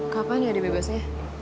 kapan ya dia bebasnya